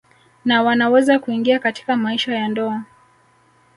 Na wanaweza kuingia katika maisha ya ndoa